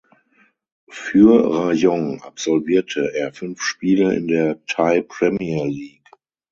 Für Rayong absolvierte er fünf Spiele in der Thai Premier League.